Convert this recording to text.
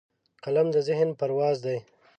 قلم د ذهن پرواز دی